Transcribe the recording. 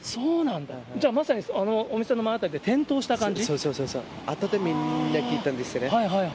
じゃあ、まさにあのお店の前辺りで転倒した感じ？